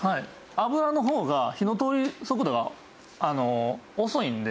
脂の方が火の通る速度が遅いんで。